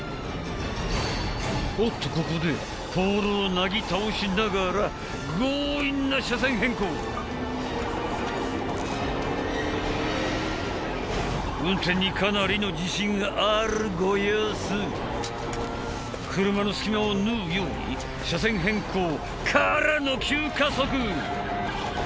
おっとここでポールをなぎ倒しながら強引な車線変更運転にかなりの自信があるご様子車の隙間をぬうように車線変更からの急加速！